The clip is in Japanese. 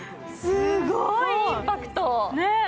すごいインパクト。